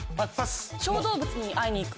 小動物に会いに行く？